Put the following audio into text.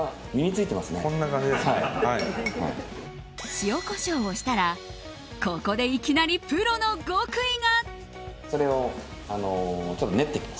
塩、コショウをしたらここでいきなりプロの極意が。